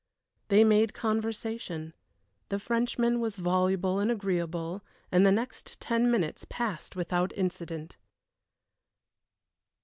They made conversation. The Frenchman was voluble and agreeable, and the next ten minutes passed without incident.